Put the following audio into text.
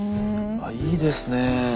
あいいですね！